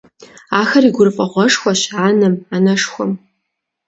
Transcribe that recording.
Ахэр и гурыфӏыгъуэшхуэщ анэм, анэшхуэм.